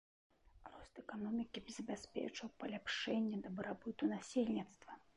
Рост эканомікі забяспечыў паляпшэнне дабрабыту насельніцтва.